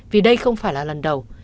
vì đây không phải là lần đầu